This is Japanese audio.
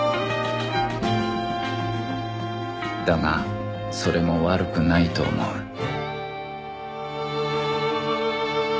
だがそれも悪くないと思う